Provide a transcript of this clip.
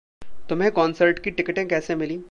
तुम्हें कॉनसर्ट की टिकटें कैसे मिलीं?